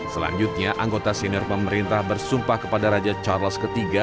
selanjutnya anggota senior pemerintah bersumpah kepada raja charles iii